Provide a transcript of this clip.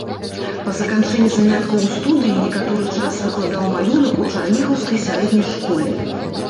Па заканчэнні заняткаў у студыі некаторы час выкладаў малюнак у чарнігаўскай сярэдняй школе.